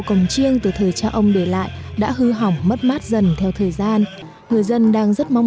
cồng chiêng từ thời cha ông để lại đã hư hỏng mất mát dần theo thời gian người dân đang rất mong